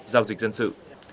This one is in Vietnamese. giao dịch dân sự